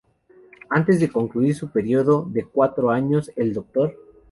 Antes de concluir su período de cuatro años, el Dr.